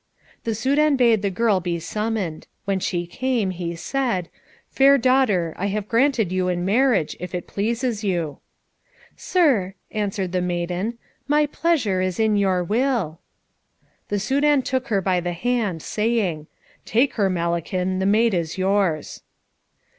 The Soudan bade the girl be summoned. When she came, he said, "Fair daughter, I have granted you in marriage, if it pleases you." "Sir," answered the maiden, "my pleasure is in your will." The Soudan took her by the hand, saying, "Take her, Malakin, the maid is yours."